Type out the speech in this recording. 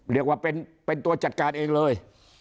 เรียกว่าเป็นตัวจัดการเองเลย